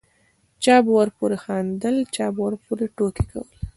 چا به ورپورې خندل چا به ورپورې ټوکې کولې.